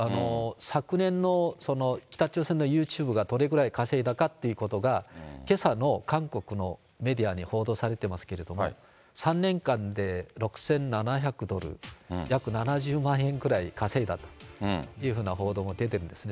昨年の北朝鮮のユーチューブがどれぐらい稼いだかってことが、けさの韓国のメディアに報道されてますけれども、３年間で６７００ドル、約７０万円くらい稼いだというふうな報道も出てるんですね。